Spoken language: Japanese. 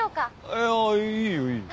いやいいよいいよ。